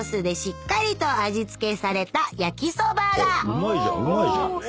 うまいじゃんうまいじゃん。